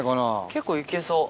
結構行けそう。